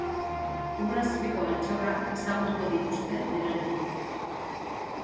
Ur azpiko altxorrak ezagutuko dituzte berarekin.